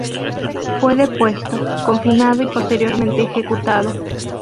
Fue depuesto, confinado y posteriormente ejecutado.